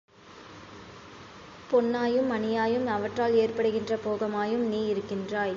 பொன்னாயும், மணியாயும், அவற்றால் ஏற்படுகின்ற போகமாயும் நீ இருக்கின்றாய்.